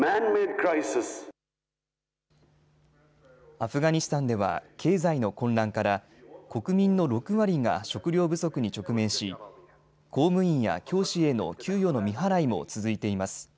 アフガニスタンでは経済の混乱から国民の６割が食料不足に直面し公務員や教師への給与の未払いも続いています。